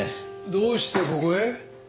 どうしてここへ？